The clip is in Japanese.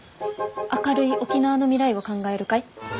「明るい沖縄の未来を考える会」。